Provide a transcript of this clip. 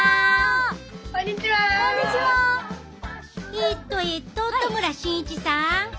えっとえっと戸村慎一さん。